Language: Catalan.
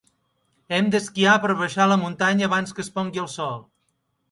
Em d'esquiar per baixar la muntanya abans que es pongui el sol.